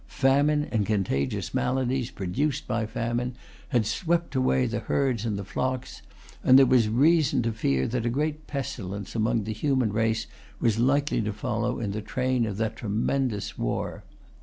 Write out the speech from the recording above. Famine, and contagious maladies produced by famine, had swept away the herds and flocks; and there was reason to fear that a great pestilence among the human race was likely to follow in the train of that tremendous war.